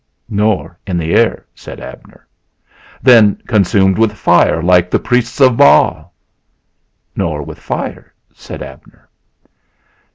"Nor in the air," said Abner. 'Then consumed with fire, like the priests of Baal?" "Nor with fire," said Abner.